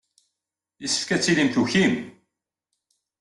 Yessefk ad tilim tukim.